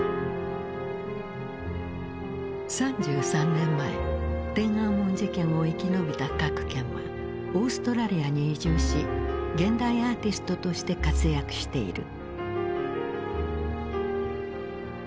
３３年前天安門事件を生き延びた郭健はオーストラリアに移住し現代アーティストとして活躍している。